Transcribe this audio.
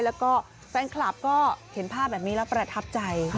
แล้วก็แฟนคลับก็เห็นภาพแบบนี้แล้วประทับใจ